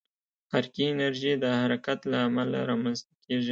حرکي انرژي د حرکت له امله رامنځته کېږي.